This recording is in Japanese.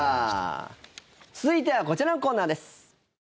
続いてはこちらコーナーです。